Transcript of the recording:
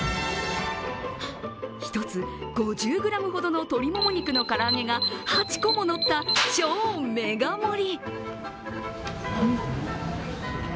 一つ５０ｇほどの鶏もも肉の唐揚げが８個ものった、超メガ盛り！